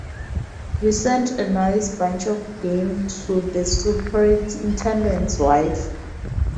We sent a nice bunch of game to the superintendent's wife.